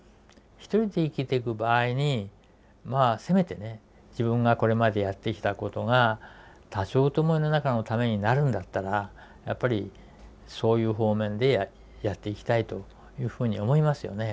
一人で生きてく場合にまあせめてね自分がこれまでやってきたことが多少とも世の中のためになるんだったらやっぱりそういう方面でやっていきたいというふうに思いますよね。